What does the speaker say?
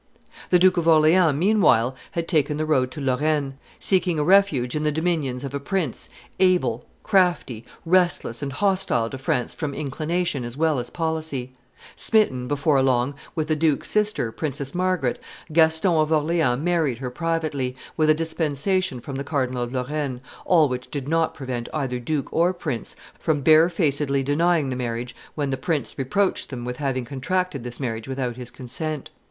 The Duke of Orleans meanwhile had taken the road to Lorraine, seeking a refuge in the dominions of a prince able, crafty, restless, and hostile to France from inclination as well as policy. Smitten, before long, with the duke's sister, Princess Margaret, Gaston of Orleans married her privately, with a dispensation from the Cardinal of Lorraine, all which did not prevent either duke or prince from barefacedly denying the marriage when the king reproached them with having contracted this marriage without his consent.